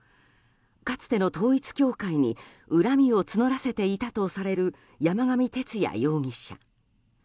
かつての統一教会に恨みを募らせていたとされる山上徹也容疑者。